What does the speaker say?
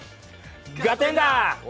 合点だ！！